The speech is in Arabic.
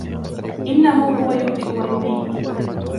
إِنَّهُ هُوَ يُبْدِئُ وَيُعِيدُ